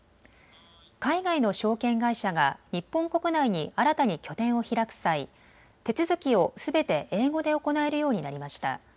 海外の証券会社が日本国内に新たに拠点を開く際、手続きをすべて英語で行えるようになりました。